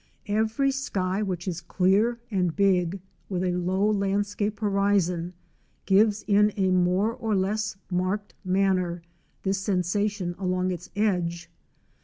Every sky which is clear and big with a low landscape horizon gives in a more or less marked manner this sensation along its edge.